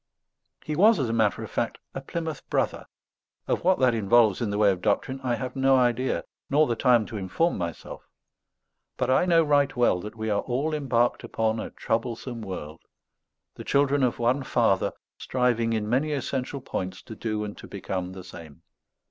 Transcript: He was, as a matter of fact, a Plymouth Brother. Of what that involves in the way of doctrine I have no idea nor the time to inform myself; but I know right well that we are all embarked upon a troublesome world, the children of one Father, striving in many essential points to do and to become the same.